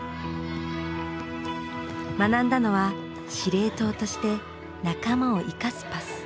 学んだのは司令塔として仲間を生かすパス。